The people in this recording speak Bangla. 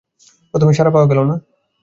প্রথমে সাড়া পাওয়া গেল না।